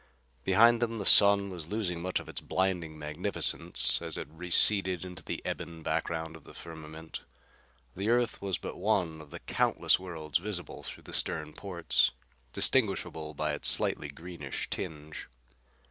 Behind them the sun was losing much of its blinding magnificence as it receded into the ebon background of the firmament. The Earth was but one of the countless worlds visible through the stern ports, distinguishable by its slightly greenish tinge.